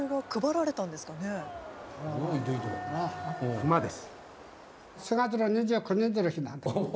熊です。